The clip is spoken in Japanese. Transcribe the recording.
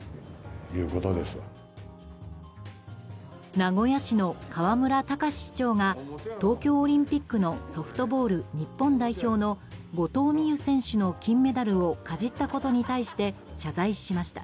名古屋市の河村たかし市長が東京オリンピックのソフトボール日本代表の後藤希友選手の金メダルをかじったことに対して謝罪しました。